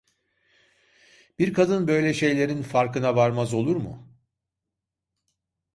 Bir kadın böyle şeylerin farkına varmaz olur mu?